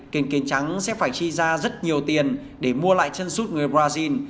tiền trắng sẽ phải chi ra rất nhiều tiền để mua lại chân sút người brazil